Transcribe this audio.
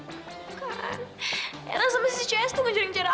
enggak enak sama si ches tuh ngejar ngejar aku